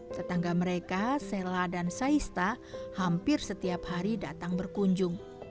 tetangga mereka sela dan saista hampir setiap hari datang berkunjung